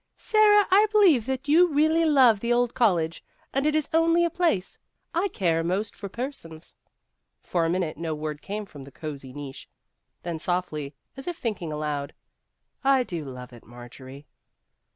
" Sara, I believe that you really love the old college, and it is only a place. I care most for persons." For a minute no word came from the cosy niche ; then softly, as if thinking aloud, " I do love it, Marjorie."